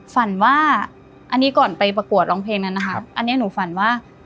ฝันว่าอันนี้ก่อนไปประกวดร้องเพลงนั้นนะคะอันนี้หนูฝันว่า